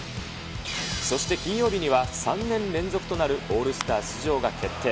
そして金曜日には、３年連続となるオールスター出場が決定。